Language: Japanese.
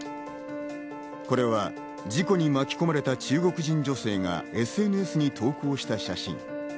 これは事故に巻き込まれた中国人女性がＳＮＳに投稿した写真。